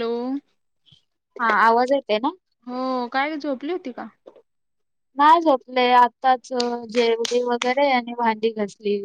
Hello. हा आवाज येतोय ना? हो काय ग झोपली होती का, नाय झोपले, आत्ताच जेवले वगैरे आणि भांडी घासली.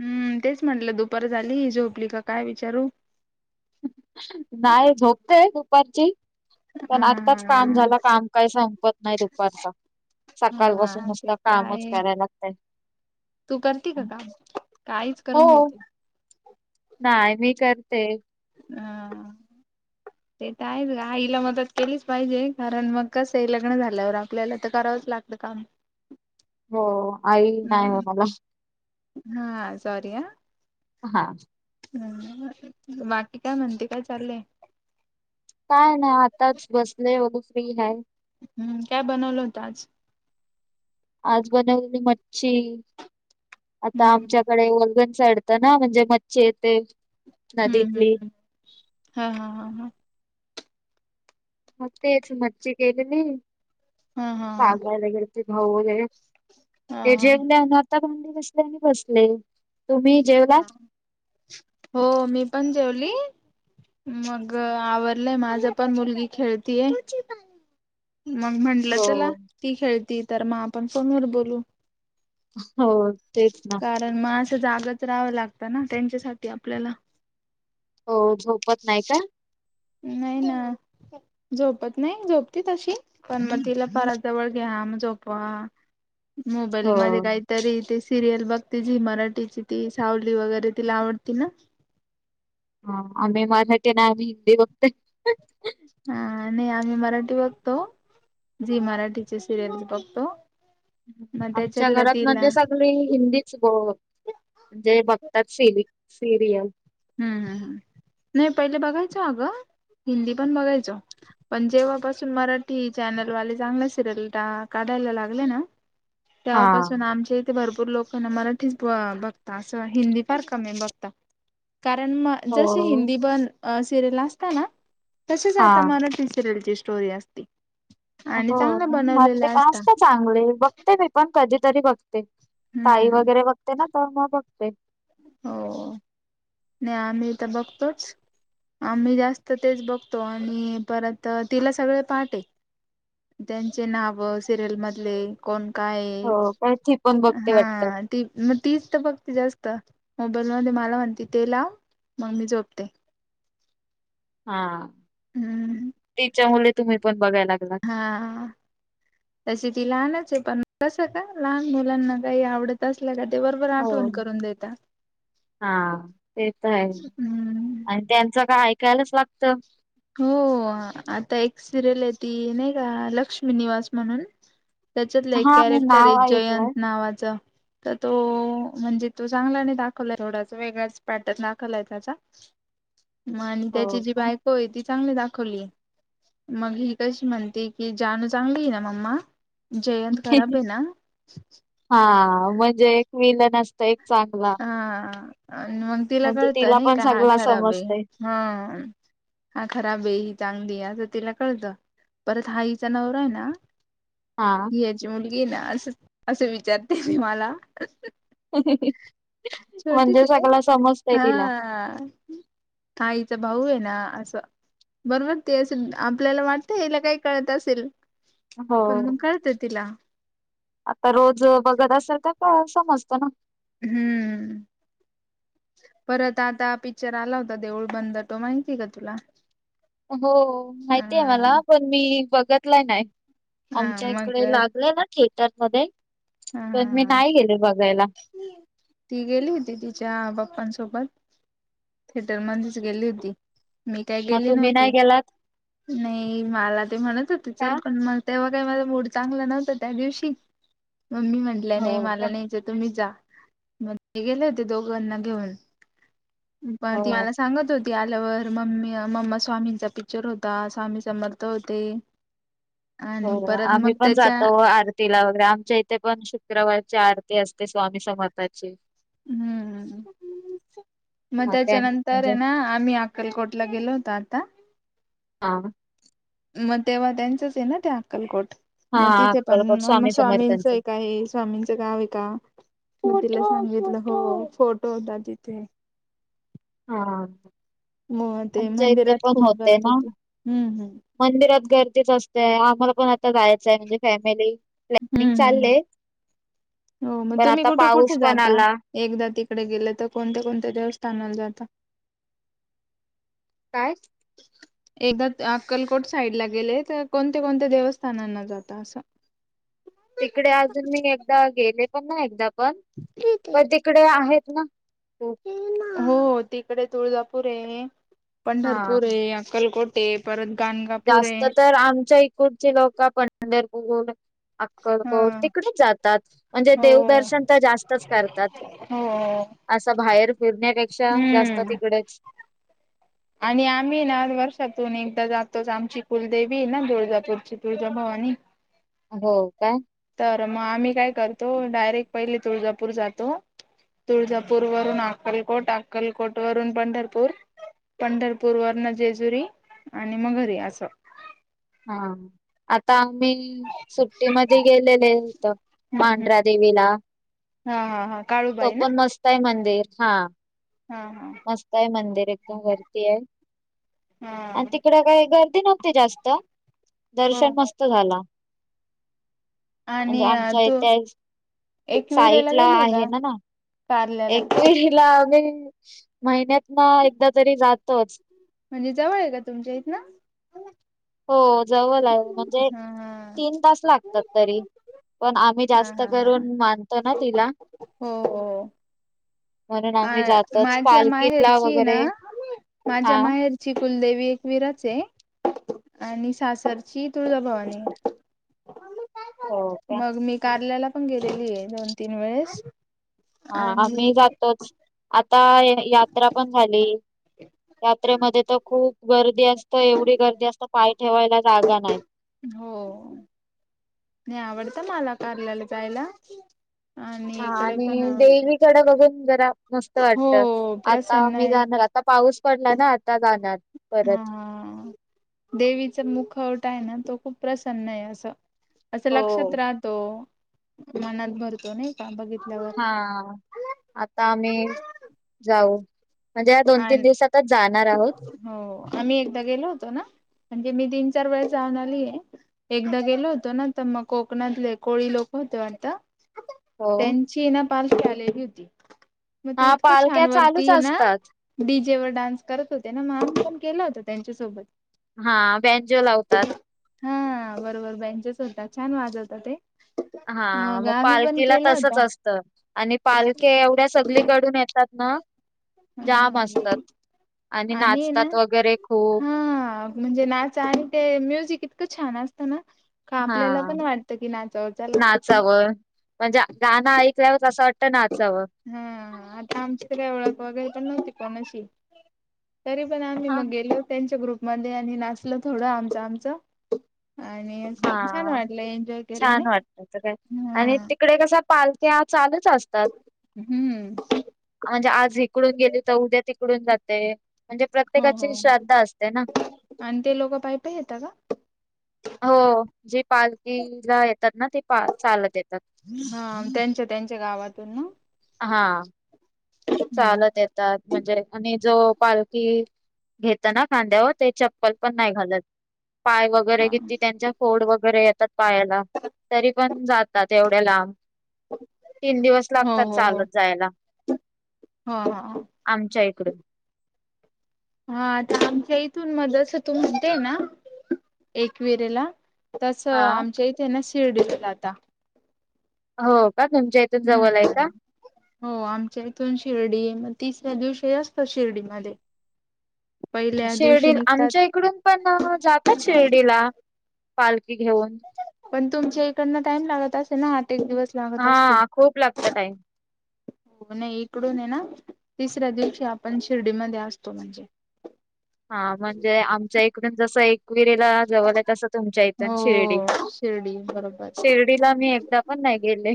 हम्म तेच म्हटलं, दुपार झाली झोपली का काय विचारू. नाही झोपते दुपारची. हा पण आत्ताच काम झाल. काम काही संपत नाही दुपारच, हा सकाळपासून हा नुसतं ते तर कामच आहे कराय लागतय. तू करती का काम, का आईच करून देते. नाय मी करते. ह ह. ते तर आहेच गं, आईला मदत केलीच पाहिजे. [inaudible] हो. आई नाही हो हम्म मला म. हा. ह.. बाकी काय म्हणते, काय चालंय? काय नाही आताच बसले, अग फ्री [unintelligible] हम्म काय बनवलं होता आज. आज बनवली मच्छी, आता हम्म आमच्याकडे वलगन. चढत ना म्हणजे मच्छी येते. हम हम नदीतली. हम.. हा हा हा हा. मग तेच मच्छी केलेली. हा हा हा. पागल वगैरे ते भाऊ वगैरे, ते हा जेवले‌ अन आणि आता भांडी घासले आणि बसले. तुम्ही जेवलात? हो मी पण जेवली. मग, आवरलय माझं पण मुलगी खेळतेय. मग म्हंटलं हो. चला ती खेळती, तर मग आपण फोनवर बोलू. हो तेच ना. कारण मग असं जागच राहाव लागत ना त्यांच्यासाठी आपल्याला. हो झोपत नाही काय? नाही ना, झोपत नाही, झोपते तशी पण मग तिला परत जवळ घ्या. हा मग झोपवा.. हो मोबाईलमध्ये काहीतरी तेच सिरियल बघती. झी मराठीची ती सावली वगैरे तिला आवडती ना, हा.. आम्ही मराठी नाय आम्ही हिंदी बघतोय. हा नाही आम्ही मराठी बघतो झी मराठीचे सिरियल्स बघतो. मग आमच्या त्याच्यातला घरात तिला मध्ये सगळी हिंदीच ब हम्म म्हणजे बघतात सिरि सिरियल. हम्म हम् हम्.. नाही पहिले बघायचो आगं हिंदी पण बघायचो. पण जेव्हापासून मराठी चॅनलवाले, चांगले सिरियल टा काढायला लागले ना. हा. तेव्हापासून आमच्या इथे भरपूर भरपूर लोकांना मराठीच ब बघता असं हिंदी फार कमी बघता. कारण म जशी, हो. हिंदी बन सिरियल असत ना. तसेच हा आता मराठी सिरियल ची स्टोरी असते. आणि हो चांगल्या मला ते बनवलेल्या असता आस्त चांगले, बघते मी पण कधीतरी बघते. ताई हम्म वगैरे बघते, ना तर मग बघते. हो.. नाही आम्ही तर बघतोच. आम्ही जास्त तेच बघतो, आणि परत तिला सगळे पाट ये. त्यांचे नाव सिरियल मधले कोण काय ये, हो पण ती पण बघते वाटतं हा ती मग तीच तर बघते जास्त. तर मोबाईल मध्ये मला म्हणते ते लाव मग मी झोपते हा हम्म तीच्यामुळे तुम्ही पण बघायला लागलात. हा तशी ती लहानच आहे पण कसं का लहान मुलांना काही आवडत असल्या का ते बरोबर हो. आठवण करून देता हा ते तर आहे हम्म आणि त्यांचं काय ऐकायलाच लागत हो आता एक सिरियल येती नाही का लक्ष्मी निवास म्हणून त्याच्यातलं एक हा मी कॅरेक्टर आहे नाव जयंत ऐकलंय. नावाच तर तो म्हणजे तो चांगला नाही दाखलय एवढा वेगळाच पॅटर्न दाखलय त्याचा मग आणि हो त्याची जी का बाय ती चांगली दाखवली मग ही कशी म्हणते की जाणू चांगली आहे ना मम्मा जयंत खराब आहे ना आहो म्हणजे एक विलन असतय हा न मग तिला म्हणजे कळतं नाही पण का हा सगला खराब आहे समजतय. हा हा खराब हाय ही चांगली आ तिला कळत परत हा हिचा नवरा आहे ना हा ही याची मुलगी इन असं असं विचारते मी मला ह ह ह छोटी च का तिला. आईचा भाऊ आहे ना असं बरोबर ते अस आपल्याला वाटतं याला काही कळत असेल हो. पण मग काळत तिला आता रोज बघत असल तर का समजतं ना हम्म परत आता पिक्चर आला होता देऊळ बंद तो माहितीय का तुला हो माहिती हाय ह मला पण मी बघतलाय नाही हा आमच्या मग इकडे लागलाय ना थिएटर मध्ये हा हा ती गेली होती तिच्या बप्पा सोबत सोबत थेटर मध्येच गेली होती मी काही मग गेली तुम्ही नव्हती नाही गेलात नाही मला ते म्हणत होते चल का? पण मग तेव्हा काय माझा मूड चांगला नव्हता त्या दिवशी मग मी म्हटलं नाही हो का? मला नाही जायचं तुम्ही जा मग ते गेले होते दोघांना घेऊन पण ती हो, मला सांगत होती आ ल्यावर मम्मी मम्मा स्वामींचा पिक्चर होता स्वामी समर्थ होते आणि हो परत आम्ही मग पण त्याच्या जातो आरतीला वगैरे आमच्या इथे पण शुक्रवारची आरती असते स्वामी समर्थांची हम्म मग हां त्यां त्याच्यानंतर म्हणजे आहे ना आम्ही अक्कलकोटला गेलो होतो आता अम मग तेव्हा त्यांचच आहे ना ते अक्कलकोट मग हां तिथे पण अक्कलकोट मग स्वामी स्वामींचं समर्थांचं. एक आहे स्वामींचं काय आहे का मग तिला सांगितलं हो फोटो होता तिथे हा मग ते आमच्या इथे मंदिरात पण खूप होत जात ना होती हम्म हम्म मंदिरात गर्दीच असतेय आम्हाला पण आता जायचंय म्हणजे फॅमिली प्लॅनिंग हम्म हम्म हम्म चालले. हो मग पण तुम्ही आता कुठे कुठे पाऊस पण जाता आला. एकदा त डे गेले त कोणत्या कोणत्या देवस्थानाला जात काय एकदा त अक्कलकोट साईड ला गेले त कोणत्या कोणत्या देवस्थानांना जात असं तिकडे अजून मी एकदा गेले पण नाही एकदा पण पण तिकडे आहेत ना खूप हो तिकडे तुळजापूर ये हां. पंढरपूर ये अक्कलकोट. ते परत. गाणगापूर जास्त आहे तर आमच्या इकूडचे लोक पंढरपूर हा अक्कडकोड तिकडेच जातात म्हणजे हो देवदर्शन त जास्तच करतात. हो असं बाहेर फिरण्यापेक्षा जास्त हम्म तिकडेच. आणि आम्ही ना वर्षातून एकदा जात. तस आमची कुलदेवी हाय ना तुळजापूरची तुळजाभवानी. हो काय. तर मग आम्ही काय करतो डायरेक्ट पहिले तुळजापूर जातो. तुळजापूर वरून अक्कलकोट, अक्कलकोट वरून पंढरपूर. पंढरपूर वरन जेजुरी आणि म घरी असं. हा आता. मी सुट्टी मदी गेलेले होत मांढ्रा देेवीला. हा हा हा तो काळूबाई ना पण मस्त आहे, मंदिर हा. हा हा मस्त आहे मंदिर एकदम वरती हाय. हा आणि तिकड काही गर्दी नव्हती जास्त हो दर्शन हो मस्त झाला. आणि म्हणजे आमच्या तू इथे एकविरेला साईट ला गेली आहे का ना ना. कारल्याला एकवीरेला मी महिन्यात ना एकदा तरी जातोच. म्हणजे जवळ आहे, का तुमच्या इथन. हो जवळाय म्हणजे हा हा तीन तास लागतात तरी. पण आम्ही हा जास्त हा हा करून मानतो ना तिला. हो हो म्हणून अ आम्ही जातोच माझ्या पालखीला वगैरे. माजा हा माहेर ची कुलदेवी एकवीरच आहे. आणि सासरची तुळजाभवानी. हो का मग मी कार्ला्याला पण गेलेली आहे, दोन तीन वेळेस. हा आणि आमी जातोच आत आता यात्रा पण झाली यात्रेमध्ये तर खूप गर्दी अस त एवढी गर्दी असत पाय ठेवायला. जागा नाही. हो. नाही आवडत मला कार्ल्याला जायला. आणि हा इकडे पण आणि आवडत देवीकड बघून जरा. मस्त वाटत हो आता प्रसन्न मी जाणार आता पाऊस पडला ना आता जा हा हा देवीच मुखवट आहे ना. तो खूप प्रसन्न आहे, असं असं हो. लक्षात राहतो. मनात बरतो नाही का ब हा आता आम्ही जाऊ. म्हणजे या दोन तीन आणि दिवसात जा हो आम्ही एकदा गेलो होतो, ना म्हणजे मी तीन चार वेळेस जाऊन आली आहे. एकदा गेले होतो, ना तर मग कोकणातले कोळी लोक होते वाटतं. हो. त्यांची ना पारशी आलेली होती. मग ते हां, इतकं पालख्या चालूच छानवरती है ना असतात. डी जेवरर डान्स. होते ना मग आम्ही पण केलं होता, त्यांच्यासोबत. हां, बेंजो लावतात. हो बरोबर बेंचेस होता, छान वाजवता ते. हो मग आम्ही पण पालखीला केला तसंच होता असतं आणि पालखे एवढ्या सगळीकडून येतात. ना जाम ह असतात. आणि ना नाचतात वगैरे खूप. हा म्हणजे नाच आणि ते म्युझिक. इतक छान असतं ना का आपल्याला हां, पण वाटतं कि नाचावचाला. नाचावं. म्हणजे गाण ऐकल्यावर असं वाटतं. नाचावं. हो आता आमची कधी ओळख वगैरे तर नव्हती कोणाशी. तरी पण आम्ही हां, मग गेलो त्यांच्या ग्रुपमध्ये आणि नाचलो थोडं आमच आमचं. आणि हा छान वाटलं एन्जॉय केलं छान नाही वाटत त काय आणि हा तिकडे कसा पालक्या चालत च असतात हम्म म्हणजे आज इकडून गेली तर उद्या तिकडून ते म्हणजे हो हो प्रत्येकाची श्रद्धा असते ना. आणि ते लोक पाय पाय येता का हो जे पालखीला येताना ते चालत येतात हा त्यांच्या त्यांच्या गावातून ना हा हम्म चालत येतात म्हणजे आणि जो, पालखी घेताना कांद्यावर ते चप्पल पण नाही घालत पाय वगैरे किती त्यांच्या फोड वगैरे येतात पायाला तरी पण जातात लांब तीन दिवस हो लागतात चालत जायला. हो हो ईकडे ये हो तर आमच्या इथून मग अस तू म्हणतेय ना एकवीरेला तसं हा आमच्या इथे ना शिर्डीला जाता. हो का तुमच्या इथून जवळ हम्म आहे का? हो आमच्या इथून शिर्डी म- तिसऱ्या दिवशी असतो शिर्डी मध्ये शिर्डीला आमच्या इकडून पण जातात शिर्डीला पालखी घेऊन पण तुमच्या इकडन टाइम लागत असेल ना आठ एक दिवस लागत असतील हां, खूप लागतं टाईम. हो नाही इकडून येना आहे ना तिसऱ्या दिवशी आपण शिर्डीमध्ये असतो म्हणजे हा म्हणजे आमच्या इकडून जस एक विरेला जवळचयेत अस तुमच्या इथून शिर्डी हो शिर्डी बरोबर शिर्डीला मी एकदा पण नाही गेले.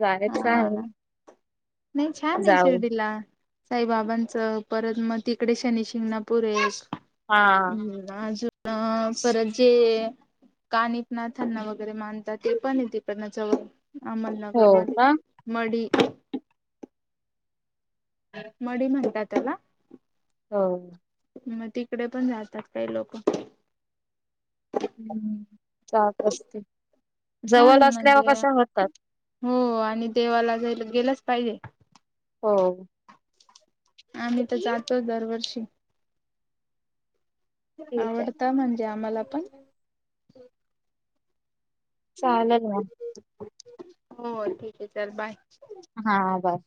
जायच आहे हा नाही छान आहे जाऊ. शिर्डीला साईबाबांचं परत मग तिकडे शनी शिंगणापूर आहेत हां, अजून अ परत जे कानिफनाथांना वगैरे मानतात ते पण ये तिकडं न जवळ अहमदनगर हो मधी का? मढी मढी म्हणतात त्याला हो मग तिकडे पण जातात काही लोक हम्म जात असते जवळ छान आहे असल्यावर म्हणजे कशा होतात. हो आणि देवाला जायला गेलाच पाहिजे हो आम्ही तर जातोच दरवर्षी ठीक आहे. आवडता म्हणजे आम्हाला पण चालेल मग हो ठीक आहे चल बाय हा बाय